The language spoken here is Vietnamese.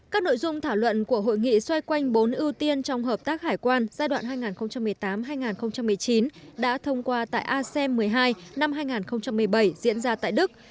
các nội dung thảo luận của hội nghị xoay quanh bốn ưu tiên trong hợp tác hải quan giai đoạn hai nghìn một mươi tám hai nghìn một mươi chín đã thông qua tại asem một mươi hai năm hai nghìn một mươi bảy diễn ra tại đức